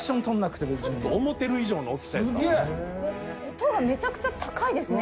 音がめちゃくちゃ高いですね。